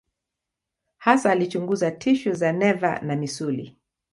Hasa alichunguza tishu za neva na misuli.